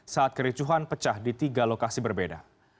saat kericuhan pecah di tiga lokasi berbeda